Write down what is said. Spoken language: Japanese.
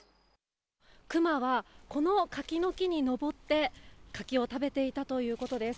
クマは、この柿の木に登って、柿を食べていたということです。